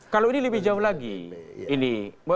kalau ini lebih jauh lagi ini